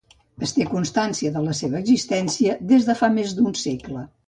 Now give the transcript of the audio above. Es té constància de la seva existència des de fa més d'un segle.